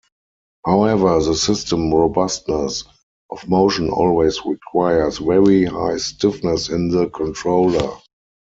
However, the system robustness of motion always requires very high stiffness in the controller.